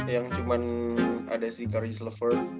yang cuman ada si carly sliver